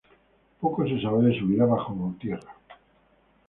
Poco se sabe de su vida bajo tierra.